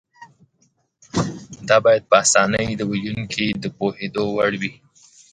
دا باید په اسانۍ د ویونکي د پوهېدو وړ وي.